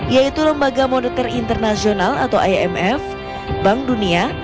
yaitu lembaga moneter internasional atau imf bank dunia